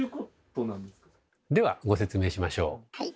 ではご説明しましょう。